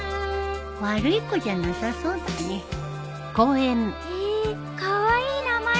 悪い子じゃなさそうだねへえカワイイ名前。